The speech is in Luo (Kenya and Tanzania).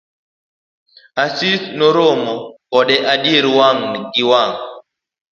Asis noromo koda adieri wang' gi wang'.